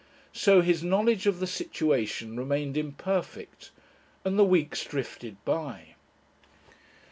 So his knowledge of the situation remained imperfect and the weeks drifted by.